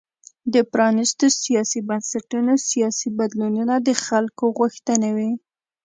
د پرانیستو سیاسي بنسټونو سیاسي بدلونونه د خلکو غوښتنې وې.